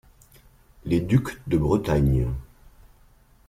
Les ducs de Bretagne.